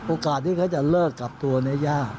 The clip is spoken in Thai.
โอกาสที่เขาจะเลิกกับตัวนี้ยาก